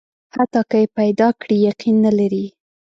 حتی که یې پیدا کړي، یقین نه لري.